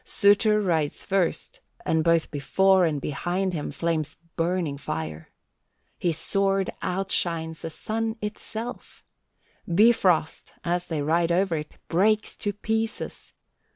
Surtur rides first, and both before and behind him flames burning fire. His sword outshines the sun itself. Bifrost, as they ride over it, breaks to pieces.